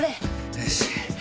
よし。